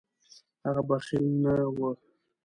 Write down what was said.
هغه بخیل نه و.